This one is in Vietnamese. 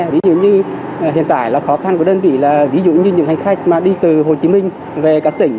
ví dụ như hiện tại khó khăn của đơn vị là những hành khách đi từ hồ chí minh về các tỉnh